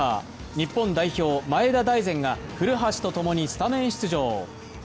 日本代表・前田大然が古橋とともにスタメン出場。